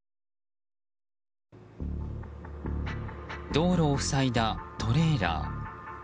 道路を塞いだトレーラー。